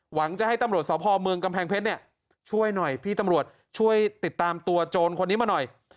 หวังจะให้ตำรวจสพเมืองกำแพงเพชรเนี่ยช่วยหน่อยพี่ตำรวจช่วยติดตามตัวโจรคนนี้มาหน่อย